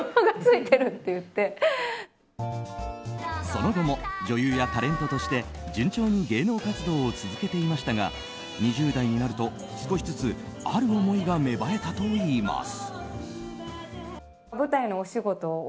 その後も女優やタレントとして順調に芸能活動を続けていましたが２０代になると少しずつある思いが芽生えたといいます。